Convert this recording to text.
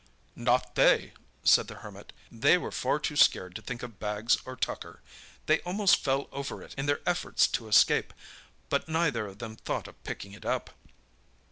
"Not they!" said the Hermit; "they were far too scared to think of bags or tucker. They almost fell over it in their efforts to escape, but neither of them thought of picking it up.